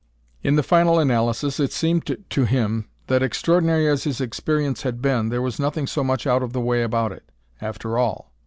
In final analysis, it seemed to him that, extraordinary as his experience had been, there was nothing so much out of the way about it, after all.